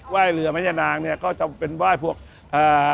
ว่ายเรือแม่ย่านางเนี่ยก็จะเป็นไหว้พวกอ่า